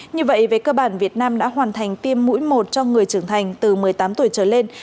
như vậy về cơ bản việt nam đã hoàn thành tiêm mũi một cho người trưởng thành từ một mươi tám tuổi trở lên